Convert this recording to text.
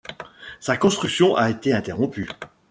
Sa construction a été interrompue.